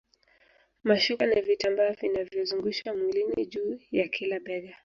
Mashuka ni vitambaa vinavyozungushwa mwilini juu ya kila bega